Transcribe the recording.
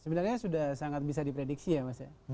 sebenarnya sudah sangat bisa diprediksi ya mas ya